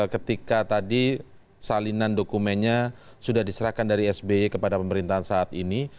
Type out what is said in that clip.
ketika tadi salinan dokumennya sudah diserahkan dari sby kepada pemerintahan saat ini